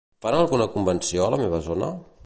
Fan alguna convenció a la meva zona?